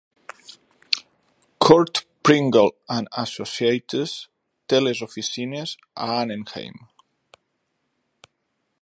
Curt Pringle and Associates té les oficines a Anaheim.